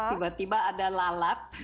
tiba tiba ada lalat